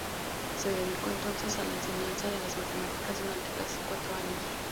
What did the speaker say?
Se dedicó entonces a la enseñanza de las matemáticas durante casi cuatro años.